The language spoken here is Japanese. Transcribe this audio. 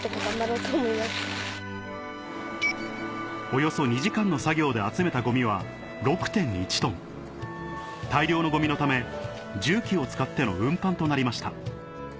およそ２時間の作業で集めたゴミは６．１ｔ大量のゴミのため重機を使っての運搬となりました